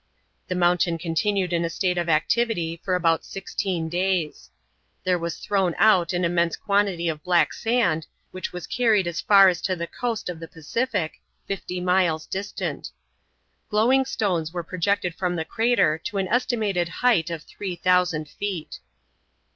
The mountain continued in a state of activity for about sixteen days. There was thrown out an immense quantity of black sand, which was carried as far as to the coast of the Pacific, fifty miles distant. Glowing stones were projected from the crater to an estimated height of three thousand feet.